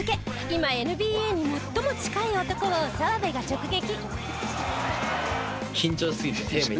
今ＮＢＡに最も近い男を澤部が直撃！